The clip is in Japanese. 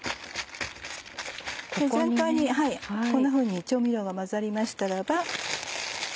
全体にこんなふうに調味料が混ざりましたらば。